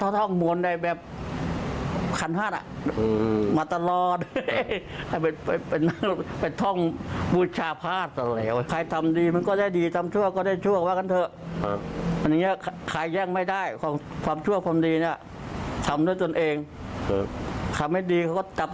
อย่างก็เหมือนที่หลวงพ่อท่านบอกนะฮะหวังว่านี่จะเป็นอีกหนึ่งเหตุการณ์อีกหนึ่งเรื่องอีกหนึ่งข่าวที่ทำให้ทุกคนเนี่ยฉุกคิดได้